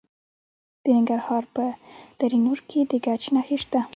د ننګرهار په دره نور کې د ګچ نښې شته.